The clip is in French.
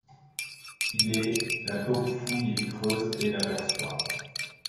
Il est. La taupe fouille et creuse, et l’aperçoit ;